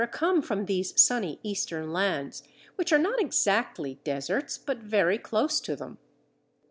come from these sunny Eastern lands, which are not exactly deserts but very close to them.